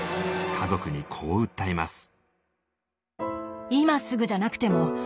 家族にこう訴えます。